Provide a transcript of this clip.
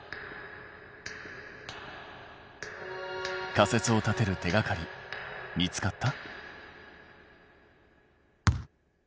仮説を立てる手がかり見つかった？